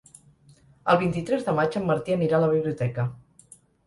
El vint-i-tres de maig en Martí anirà a la biblioteca.